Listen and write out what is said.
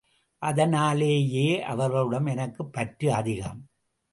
அதனாலேயே அவர்களிடம் எனக்குப் பற்று அதிகம்.